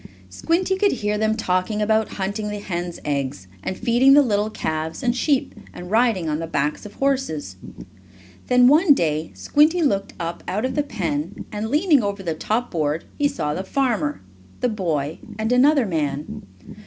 Squinty could hear them talking about hunting the hens' eggs, and feeding the little calves and sheep, and riding on the backs of horses. Then, one day Squinty looked up out of the pen, and, leaning over the top board he saw the farmer, the boy and another man.